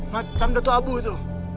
macam datu abu itu